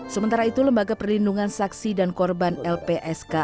sementara itu lembaga perlindungan saksi dan korban lpsk